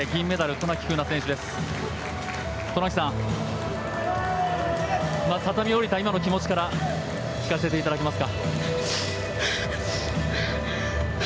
渡名喜さん、畳を下りた今の気持ちから聞かせていただけますか。